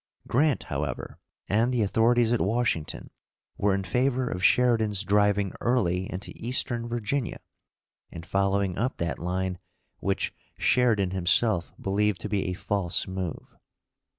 Grant, however, and the authorities at Washington, were in favor of Sheridan's driving Early into Eastern Virginia, and following up that line, which Sheri dan himself believed to be a false move.